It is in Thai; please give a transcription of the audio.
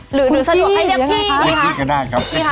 หรือสะดวกให้เรียกพี่ดีคะ